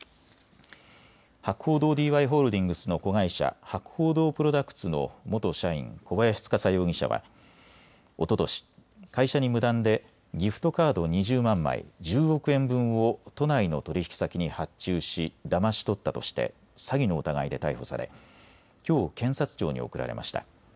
博報堂ＤＹホールディングスの子会社、博報堂プロダクツの元社員、小林司容疑者はおととし、会社に無断でギフトカード２０万枚、１０億円分を都内の取引先に発注しだまし取ったとして詐欺の疑いで逮捕されきょう検察庁に送られました。